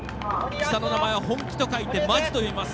下の名前は本気と書いて「まじ」と読みます。